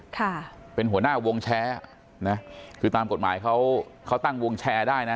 ค่ะเป็นหัวหน้าวงแชร์นะคือตามกฎหมายเขาเขาตั้งวงแชร์ได้นะ